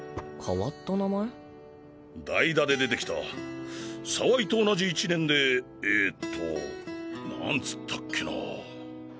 代打で出てきた澤井と同じ１年でえっと何つったっけなぁ？